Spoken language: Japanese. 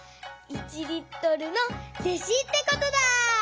１リットルの弟子ってことだ！